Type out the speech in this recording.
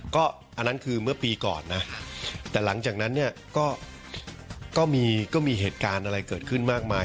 ก็อันนั้นคือเมื่อปีก่อนนะแต่หลังจากนั้นเนี่ยก็มีเหตุการณ์อะไรเกิดขึ้นมากมาย